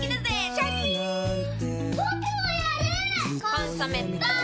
「コンソメ」ポン！